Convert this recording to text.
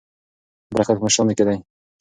برکت په مشرانو کې دی.